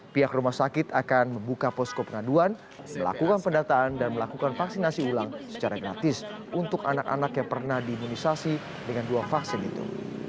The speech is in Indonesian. pihak rumah sakit akan membuka posko pengaduan melakukan pendataan dan melakukan vaksinasi ulang secara gratis untuk anak anak yang pernah diimunisasi dengan dua vaksin itu